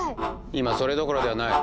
今それどころではない。